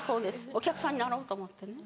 お客さんになろうと思ってね。